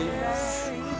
すごい！